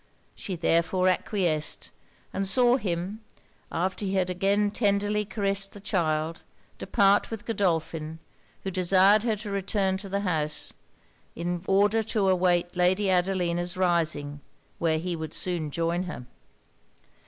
She therefore acquiesced; and saw him, after he had again tenderly caressed the child, depart with Godolphin, who desired her to return to the house, in order to await Lady Adelina's rising; where he would soon join her.